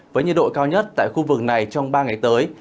với nhiệt độ cao nhất tại khu vực này trong ba ngày tới